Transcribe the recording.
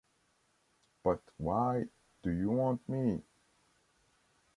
But why do you want me?